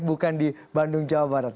bukan di bandung jawa barat